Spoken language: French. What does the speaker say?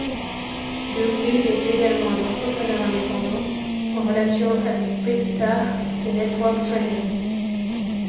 Doug Wead est également un entrepreneur indépendant en relation avec Quixtar et Network TwentyOne.